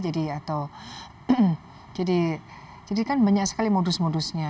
jadi kan banyak sekali modus modusnya